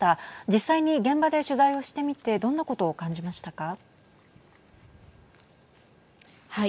実際に現場で取材をしてみてどんなことを感じましたか。